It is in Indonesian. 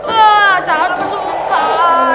wah jalan terus